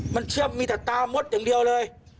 มันเชื่อมมีแต่ตามดอย่างเดียวเลย